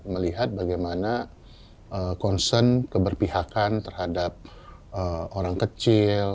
melihat bagaimana concern keberpihakan terhadap orang kecil